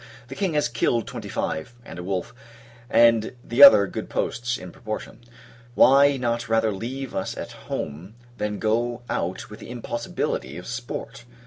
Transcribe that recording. The King has killed twenty five, and a wolf; and the other good posts, in proportion. Why not rather leave us at home, than go out with the impossibility of sport?